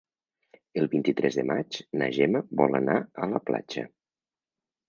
El vint-i-tres de maig na Gemma vol anar a la platja.